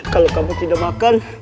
kalau kamu tidak makan